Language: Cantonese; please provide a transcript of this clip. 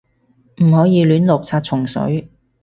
唔可以亂落殺蟲水